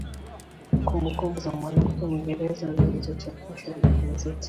kumbukumbu za mwanamke mwingereza zilizochapishwa kwenye magazeti